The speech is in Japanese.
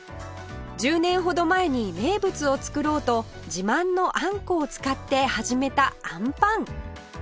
１０年ほど前に名物を作ろうと自慢のあんこを使って始めたあんぱん